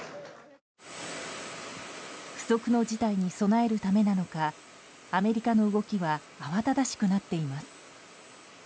不測の事態に備えるためなのかアメリカの動きは慌ただしくなっています。